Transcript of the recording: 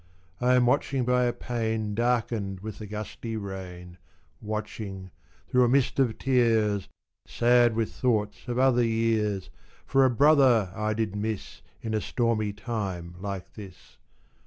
I am watching by a pane Darkened with the gusty rain, Watching, through a mist of tears, Sad with thoughts of other years, For a brother I did miss In a stormy time like this.